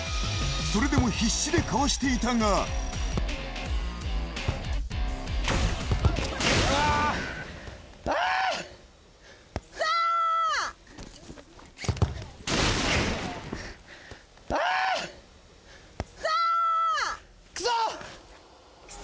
それでも必死でかわしていたがくそ！